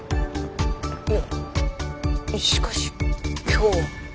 いやしかし今日は。